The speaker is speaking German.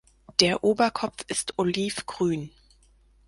Der Oberkopf ist olivgrün.